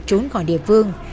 trốn khỏi địa phương